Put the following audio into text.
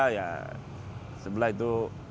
ya sebelah itu